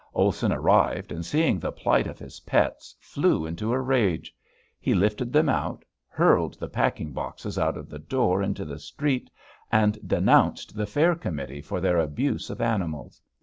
Olson arrived and seeing the plight of his pets flew into a rage. He lifted them out, hurled the packing boxes out of the door into the street, and denounced the fair committee for their abuse of animals.